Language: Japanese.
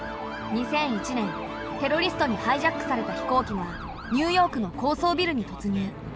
２００１年テロリストにハイジャックされた飛行機がニューヨークの高層ビルに突入。